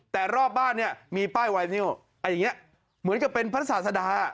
แต่รอบบ้านเนี่ยมีป้ายไวนิวอย่างนี้เหมือนกับเป็นพระศาสดา